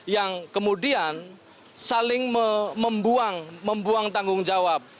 yang kemudian saling membuang tanggung jawab